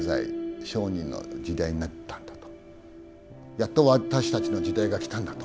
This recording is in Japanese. やっと私たちの時代がきたんだと。